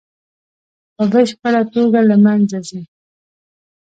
په بشپړه توګه له منځه ځي.